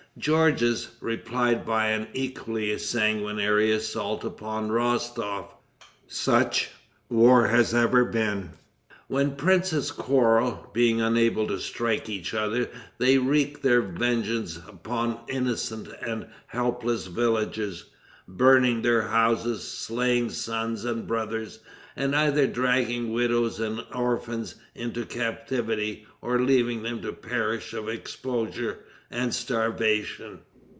Georges replied by an equally sanguinary assault upon Rostof. Such, war has ever been. When princes quarrel, being unable to strike each other, they wreak their vengeance upon innocent and helpless villages, burning their houses, slaying sons and brothers, and either dragging widows and orphans into captivity or leaving them to perish of exposure and starvation.